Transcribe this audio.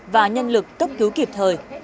và nhân lực cấp cứu kịp thời